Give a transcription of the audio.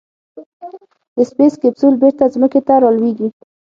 د سپېس کیپسول بېرته ځمکې ته رالوېږي.